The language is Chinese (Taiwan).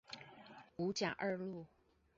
五甲二路